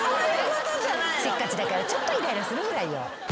せっかちだからちょっとイライラするぐらいよ。